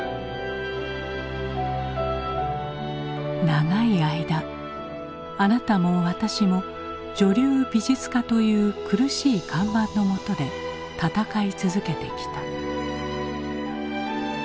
「長い間あなたも私も『女流美術家』という苦しい看板の下で闘い続けてきた。